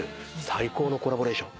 最高のコラボレーション。